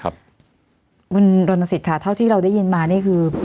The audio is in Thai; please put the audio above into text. คุณรณสิทธิค่ะเท่าที่เราได้ยินมานี่คือ